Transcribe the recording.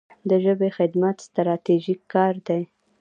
د ژبې خدمت ستراتیژیک کار دی.